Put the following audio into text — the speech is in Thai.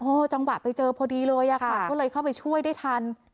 จังหวะไปเจอพอดีเลยอะค่ะก็เลยเข้าไปช่วยได้ทัน